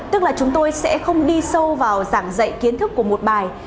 tức là chúng tôi sẽ không đi sâu vào giảng dạy kiến thức của một bài